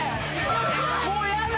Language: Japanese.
もうやだ！